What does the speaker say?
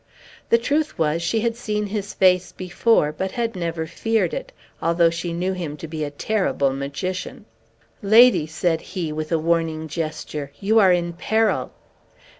The truth was, she had seen his face before, but had never feared it, although she knew him to be a terrible magician. "Lady," said he, with a warning gesture, "you are in peril!"